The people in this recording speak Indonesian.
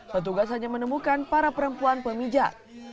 petugas hanya menemukan para perempuan pemijat